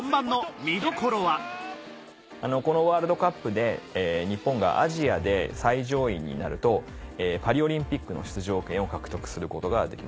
このワールドカップで日本がアジアで最上位になるとパリ・オリンピックの出場権を獲得することができます。